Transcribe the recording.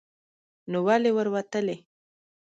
نو ولې ور وتلې